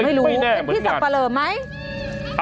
เออไม่รู้เป็นพี่สักปะเริ่มไหมไม่แน่เหมือนงาน